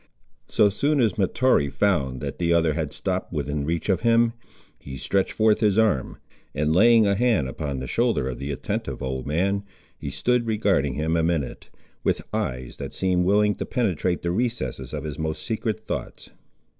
So soon as Mahtoree found that the other had stopped within reach of him, he stretched forth his arm, and laying a hand upon the shoulder of the attentive old man, he stood regarding him, a minute, with eyes that seemed willing to penetrate the recesses of his most secret thoughts.